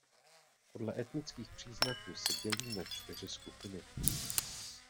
Podle etnických příznaků se dělí na čtyři skupiny.